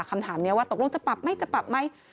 คำถามนี้ว่าตกลงจะปรับไหมจะปรับไหม